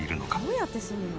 どうやって住むの？